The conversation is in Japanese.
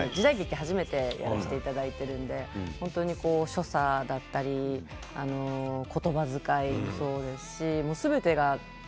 初めてやらせていただいているので本当に所作だったりことばづかいもそうだしすべてが。